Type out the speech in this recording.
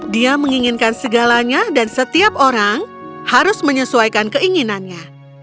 dia menginginkan segalanya dan setiap orang harus menyesuaikan keinginannya